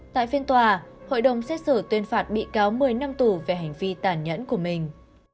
tại phiên tòa hội đồng xét xử tuyên phạt bị cáo một mươi năm tù về hành vi tàn nhẫn của mình